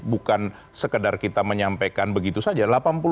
bukan sekedar kita menyampaikan begitu saja